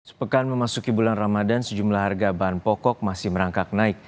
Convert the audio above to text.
sepekan memasuki bulan ramadan sejumlah harga bahan pokok masih merangkak naik